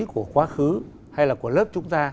của quá khứ hay là của lớp chúng ta